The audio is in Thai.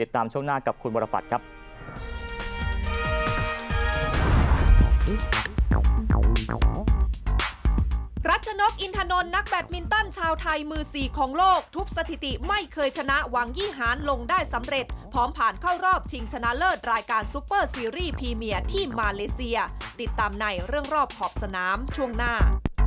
รัชนกอินทานนท์นักแบดมินตันชาวไทยมือสี่ของโลกทุบสถิติไม่เคยชนะวังยี่หานลงได้สำเร็จพร้อมผ่านเข้ารอบชิงชนะเลิศรายการซุปเปอร์ซีรีส์พีเมียที่มาเลเซียติดตามในเรื่องรอบหอบสนามช่วงหน้า